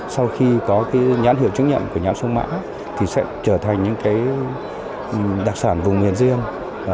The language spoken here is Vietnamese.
sau khi có nhãn hiệu chứng nhận của nhãn sông mã thì sẽ trở thành những đặc sản vùng miền riêng